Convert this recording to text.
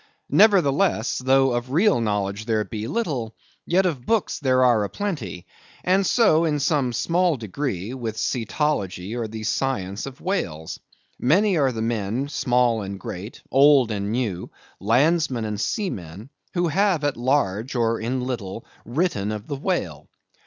Nevertheless, though of real knowledge there be little, yet of books there are a plenty; and so in some small degree, with cetology, or the science of whales. Many are the men, small and great, old and new, landsmen and seamen, who have at large or in little, written of the whale.